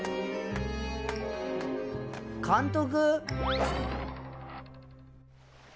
監督？